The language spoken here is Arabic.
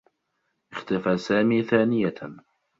اختفى سامي ثانيةً.